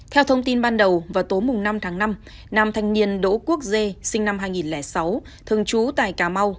theo thông tin ban đầu vào tối năm tháng năm nam thanh niên đỗ quốc dê sinh năm hai nghìn sáu thường trú tại cà mau